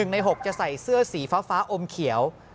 ใน๖จะใส่เสื้อสีฟ้าอมเขียว